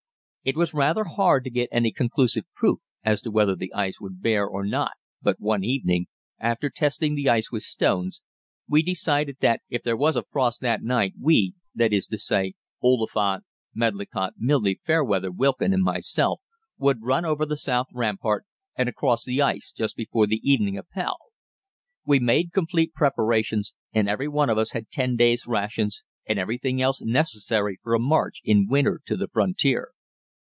It was rather hard to get any conclusive proof as to whether the ice would bear or not, but one evening, after testing the ice with stones, we decided that if there was a frost that night we, that is to say, Oliphant, Medlicott, Milne, Fairweather, Wilkin, and myself, would run over the south rampart and across the ice just before the evening Appell. We made complete preparations, and every one had ten days' rations and everything else necessary for a march in winter to the frontier.